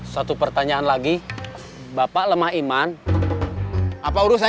ya di penting nasional korea